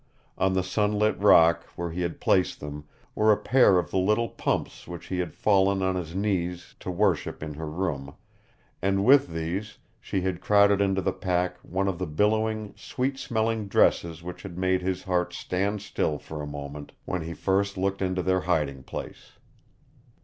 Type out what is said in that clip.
On the sunlit rock, where he had placed them, were a pair of the little pumps which he had fallen on his knees to worship in her room, and with these she had crowded into the pack one of the billowing, sweet smelling dresses which had made his heart stand still for a moment when he first looked into their hiding place.